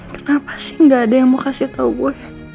kenapa sih gak ada yang mau kasih tau gue